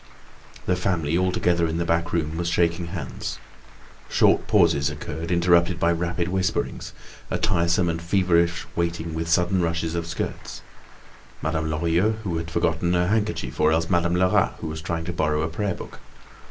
The family, all together in the back room, was shaking hands. Short pauses occurred interrupted by rapid whisperings, a tiresome and feverish waiting with sudden rushes of skirts—Madame Lorilleux who had forgotten her handkerchief, or else Madame Lerat who was trying to borrow a prayer book.